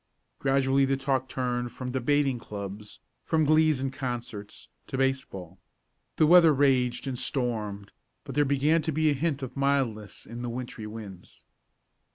Gradually the talk turned from debating clubs, from glees and concerts, to baseball. The weather raged and stormed, but there began to be the hint of mildness in the wintry winds.